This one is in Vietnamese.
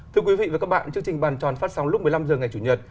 thưa quý vị và các bạn chương trình bàn tròn phát sóng lúc một mươi năm h ngày chủ nhật